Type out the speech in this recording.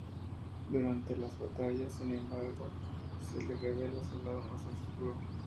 Durante las batallas, sin embargo, se revela su lado más oscuro.